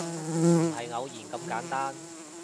唔係偶然咁簡單